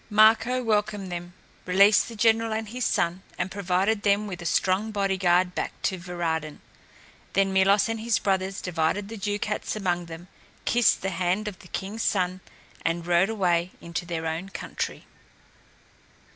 Marko welcomed them, released the general and his son and provided them with a strong body guard back to Varadin. Then Milos and his brothers divided the ducats among them, kissed the hand of the king's son, and rode away into their own country.